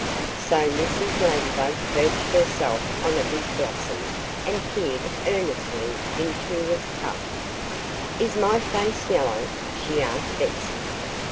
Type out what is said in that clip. So Mrs. Ladybug perched herself on a big blossom and peered earnestly into its cup. "Is my face yellow?" she asked Betsy.